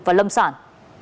và lâm sản